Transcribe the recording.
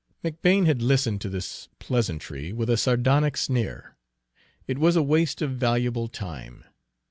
McBane had listened to this pleasantry with a sardonic sneer. It was a waste of valuable time.